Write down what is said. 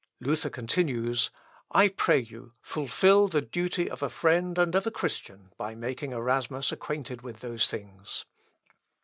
Luther continues, "I pray you, fulfil the duty of a friend and of a Christian, by making Erasmus acquainted with those things."